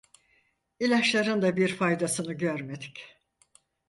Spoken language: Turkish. İlaçların da bir faydasını görmedik!